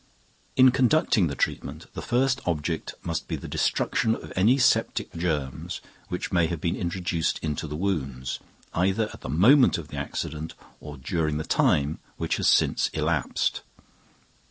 In conducting the treatment, the first object must be the destruction of any septic germs which may have been introduced into the wounds, either at the moment of the accident or during the time which has since elapsed.